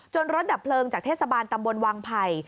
รถดับเพลิงจากเทศบาลตำบลวังไผ่